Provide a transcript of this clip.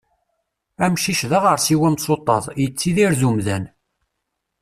Amcic d aɣersiw amsuṭṭaḍ, yettidir d umdan.